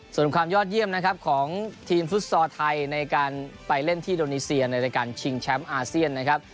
ส่วนความยอดเยี่ยมนะครับของทีมฟุตซอลไทยในการไปเล่นที่อินโดนีเซียในรายการชิงแชมป์อาเซียนนะครับ